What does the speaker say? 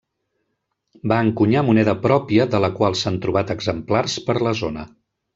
Va encunyar moneda pròpia de la qual s'han trobat exemplars per la zona.